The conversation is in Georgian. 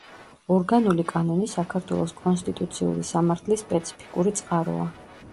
ორგანული კანონი საქართველოს კონსტიტუციური სამართლის სპეციფიკური წყაროა.